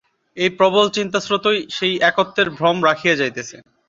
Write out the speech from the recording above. এই প্রবল চিন্তাস্রোতই এই একত্বের ভ্রম রাখিয়া যাইতেছে।